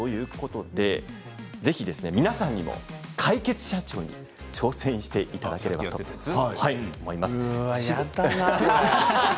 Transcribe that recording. ぜひ皆さんにも解決社長に挑戦していただきたいと思います。